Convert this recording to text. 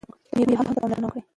د مېرمنو حقوقو ته پاملرنه وکړئ.